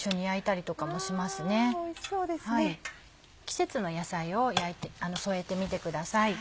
季節の野菜を焼いて添えてみてください。